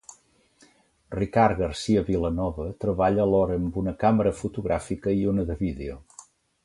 Ricard Garcia Vilanova treballa alhora amb una càmera fotogràfica i una de vídeo.